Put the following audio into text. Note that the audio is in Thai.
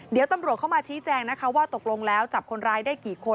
เดี๋ยวตำรวจเข้ามาชี้แจงนะคะว่าตกลงแล้วจับคนร้ายได้กี่คน